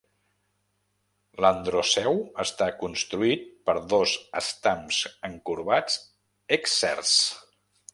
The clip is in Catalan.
L'androceu està constituït per dos estams encorbats exserts.